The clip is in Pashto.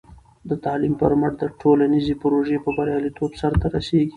د تعلیم پر مټ، ټولنیزې پروژې په بریالیتوب سرته رسېږي.